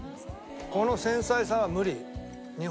この繊細さは無理。